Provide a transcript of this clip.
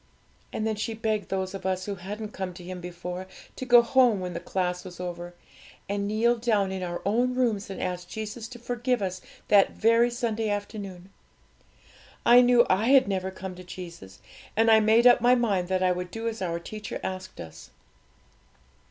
And then she begged those of us who hadn't come to Him before, to go home when the class was over, and kneel down in our own rooms and ask Jesus to forgive us that very Sunday afternoon. I knew I had never come to Jesus, and I made up my mind that I would do as our teacher asked us.